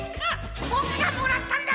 ボクがもらったんだ！